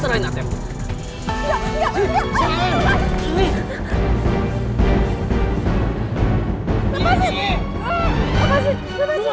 sekarang aku mau beli bahan pakan bikin kue buat ibu